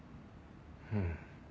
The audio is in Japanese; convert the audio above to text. うん。